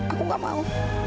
aku gak mau